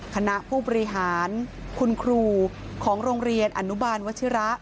คณะผู้บริหารคุณครูของโรงเรียนอนุบาลวัชิระ